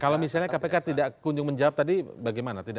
kalau misalnya kpk tidak kunjung menjawab tadi bagaimana